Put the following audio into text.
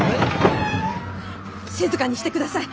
静かにしてください。